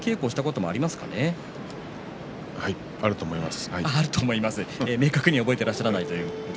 あると思います。